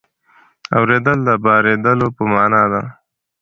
اورېدل د بارېدلو په مانا ده.